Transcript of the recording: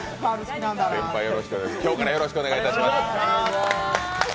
今日からよろしくお願いします。